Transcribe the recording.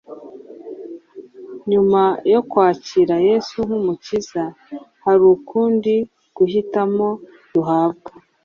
Nyuma yo kwakira Yesu nk’umukiza hari ukundi guhitamo duhabwa “